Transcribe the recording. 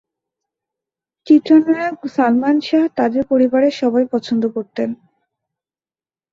চিত্রনায়ক সালমান শাহ তাদের পরিবারের সবাই পছন্দ করতেন।